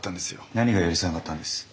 何が許せなかったんです？